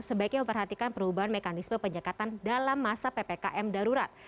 sebaiknya memperhatikan perubahan mekanisme penyekatan dalam masa ppkm darurat